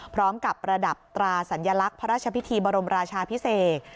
พร้อมกับประดับตราสัญลักษณ์พระราชพิธีบรมราชาพิเศษ